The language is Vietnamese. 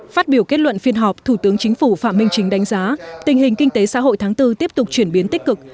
phát biểu kết luận phiên họp thủ tướng chính phủ phạm minh chính đánh giá tình hình kinh tế xã hội tháng bốn tiếp tục chuyển biến tích cực